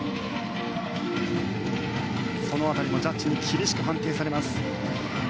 その辺りもジャッジに厳しく判定されます。